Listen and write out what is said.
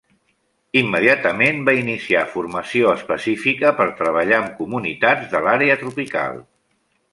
Immediatament va iniciar formació específica per treballar amb comunitats de l'àrea tropical.